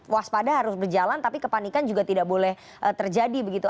waspada harus berjalan tapi kepanikan juga tidak boleh terjadi begitu